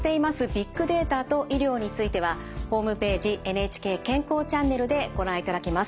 ビッグデータと医療についてはホームページ「ＮＨＫ健康チャンネル」でご覧いただけます。